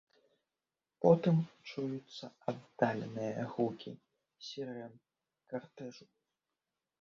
Потым чуюцца аддаленыя гукі сірэн картэжу.